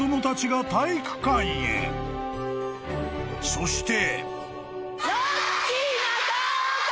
［そして］